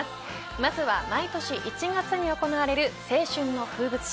まずは毎年１月に行われる青春の風物詩